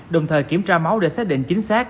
đồng thời kiểm tra máu để xác định chính xác